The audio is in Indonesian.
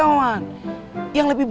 ali tidak mengerti kak